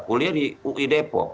kuliah di ui depok